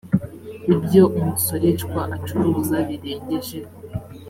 ibyo umusoreshwa acuruza birengeje